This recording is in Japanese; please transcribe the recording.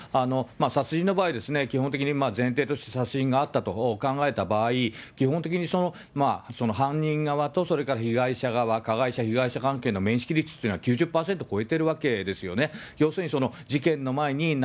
殺人の場合、基本的に前提として殺人があったと考えた場合、基本的に犯人側と、それから被害者側、加害者、被害者関係の面識率というのは、９０％超えているわけですよね。